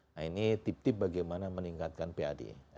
nah ini tip tip bagaimana meningkatkan pad